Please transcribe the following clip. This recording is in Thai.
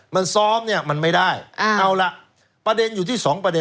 มันซ้อมเนี่ยมันไม่ได้เอาล่ะประเด็นอยู่ที่สองประเด็